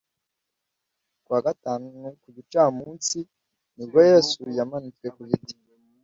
ku wa gatanu ku gicamunsi ni bwo yesu yamanitswe ku giti